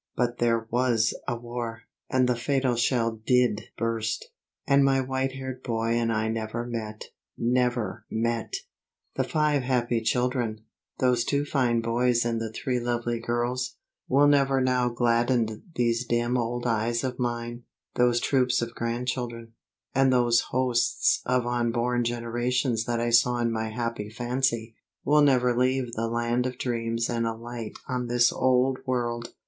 But there was a war, and the fatal shell did burst, and my white haired boy and I never met, never met. The five happy children those two fine boys and the three lovely girls will never now gladden these dim old eyes of mine. Those troops of grandchildren, and those hosts of unborn generations that I saw in my happy fancy, will never leave the land of dreams and alight on this old world.